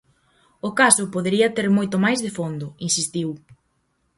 "O caso podería ter moito máis de fondo", insistiu.